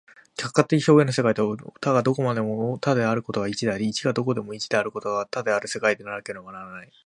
客観的表現の世界とは、多がどこまでも多であることが一であり、一がどこまでも一であることが多である世界でなければならない。